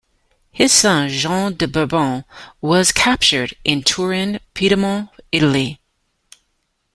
His son Jean de Bourbon was captured in Turin, Piedmont, Italy.